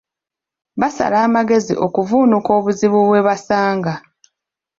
Basala amagezi okuvvuunuka obuzibu bwe basanga.